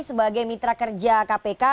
sebagai mitra kerja kpk